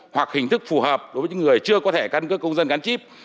hoặc hình thức phù hợp đối với những người chưa có thẻ căn cước công dân gắn chip